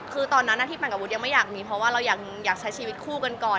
คือตอนนั้นที่ปั่นกับวุฒิยังไม่อยากมีเพราะว่าเราอยากใช้ชีวิตคู่กันก่อน